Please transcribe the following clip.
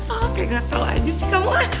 oh kayak gak tau aja sih kamu lah